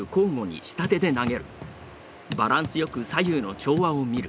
バランスよく左右の調和を見る。